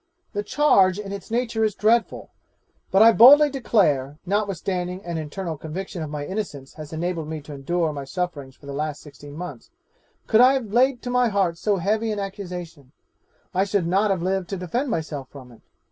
The charge in its nature is dreadful, but I boldly declare, notwithstanding an internal conviction of my innocence has enabled me to endure my sufferings for the last sixteen months, could I have laid to my heart so heavy an accusation, I should not have lived to defend myself from it.